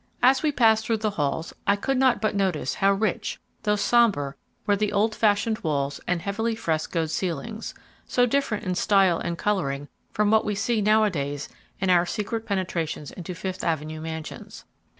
As we passed through the halls, I could not but notice how rich, though sombre were the old fashioned walls and heavily frescoed ceilings, so different in style and coloring from what we see now a days in our secret penetrations into Fifth Avenue mansions.